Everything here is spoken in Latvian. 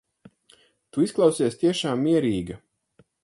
Tu izklausies tiešām mierīga.